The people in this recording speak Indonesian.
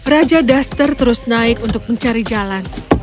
raja duster terus naik untuk mencari jalan